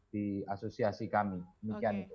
di asosiasi kami